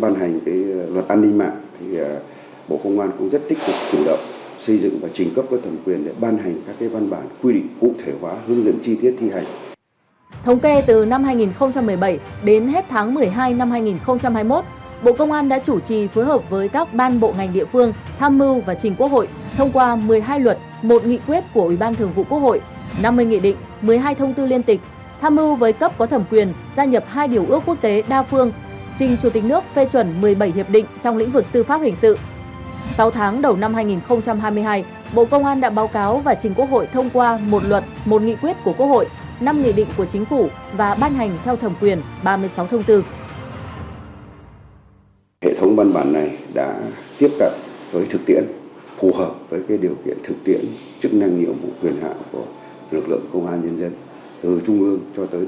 năm hai nghìn hai mươi hai bộ công an đã báo cáo và trình quốc hội thông qua một luật một nghị quyết của quốc hội năm nghị định của chính phủ và ban hành theo thẩm quyền ba mươi sáu thông tư